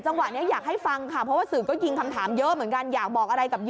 จะตอบว่าอะไรค่ะ